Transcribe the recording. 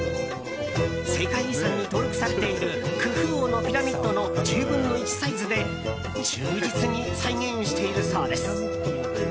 世界遺産に登録されているクフ王のピラミッドの１０分の１サイズで忠実に再現しているそうです。